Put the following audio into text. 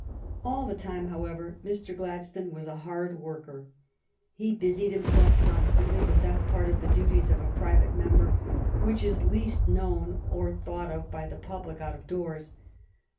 All the time, however, Mr. Gladstone was a hard worker. He busied himself constantly with that part of the duties of a private member which is least known or thought of by the public out of doors.